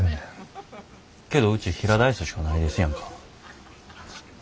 けどうち平ダイスしかないですやんか。